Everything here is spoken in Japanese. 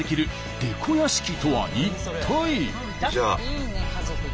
いいね家族で。